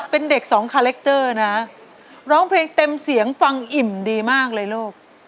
เป็นเด็กสองคาแรคเตอร์นะร้องเพลงเต็มเสียงฟังอิ่มดีมากเลยลูก